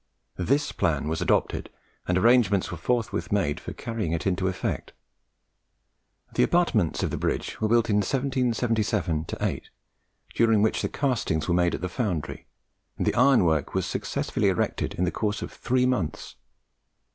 This plan was adopted, and arrangements were forthwith made for carrying it into effect. The abutments of the bridge were built in 1777 8, during which the castings were made at the foundry, and the ironwork was successfully erected in the course of three months.